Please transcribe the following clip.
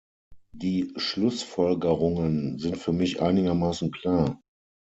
Die Schlussfolgerungen sind für mich einigermaßen klar.